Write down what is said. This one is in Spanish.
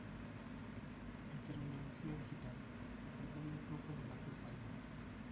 En terminología digital, se trata de un flujo de datos variable.